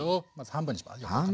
半分にします。